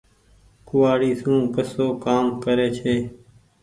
ڪوُوآڙي سون ڪسو ڪآم ڪري ڇي۔